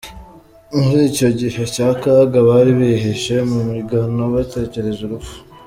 Muri icyo gihe cy’akaga bari bihishe mu migano, bategereje urupfu.